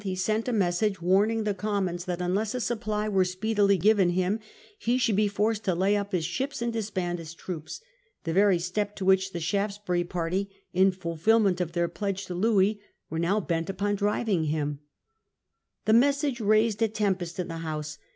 But on May 1 1 he sent a message warning the Commons that unless a supply were speedily given him he should be forced to lay up his ships and disband his troops — the 1678. Secret Treaty between Charles and Louis . 255 * very step to which the Shaftesbury party, in fulfilment of their pledges to Louis, were now bent upon driving him. The message raised a tempest in the House.